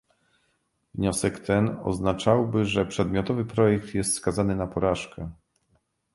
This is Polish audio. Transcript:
Wniosek ten oznaczałby, że przedmiotowy projekt jest skazany na porażkę